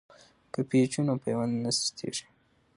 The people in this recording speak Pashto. که پیچ وي نو پیوند نه سستیږي.